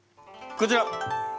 こちら。